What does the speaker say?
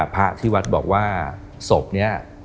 พระทิวัฒน์บอกว่าศพเนี่ย